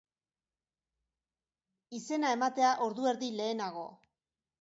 Izena ematea ordu erdi lehenago.